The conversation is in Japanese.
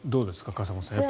笠松さん。